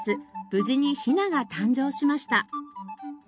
無事にヒナが誕生しました。